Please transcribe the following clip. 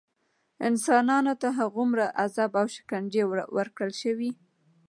انسانانو ته هغومره عذاب او شکنجې ورکړل شوې.